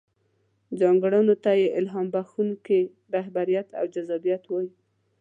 ځانګړنو ته يې الهام بښونکې رهبري او جذابيت وايو.